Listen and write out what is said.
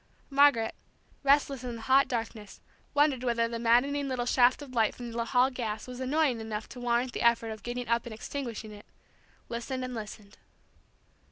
Margaret, restless in the hot darkness, wondering whether the maddening little shaft of light from the hall gas was annoying enough to warrant the effort of getting up and extinguishing it, listened and listened.